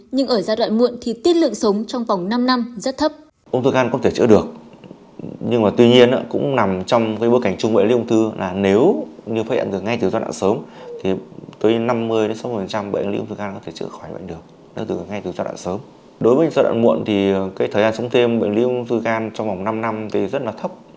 nhưng ở giai đoạn muộn thì tiên lượng sống trong vòng năm năm rất thấp